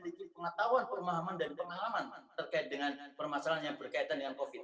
jadi itu adalah pengetahuan pemahaman dan pengalaman terkait dengan permasalahan yang berkaitan dengan covid